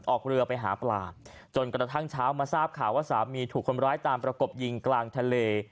ออกเรือไปหาปลาจนกระทั่งเช้ามาทราบข่าวว่าสามีถูกคนร้ายตามประกบยิงกลางทะเล